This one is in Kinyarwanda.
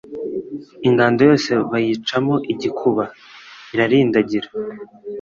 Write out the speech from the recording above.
ingando yose bayicamo igikuba, irarindagira